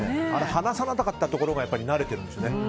離さなかったところが慣れてるんでしょうね。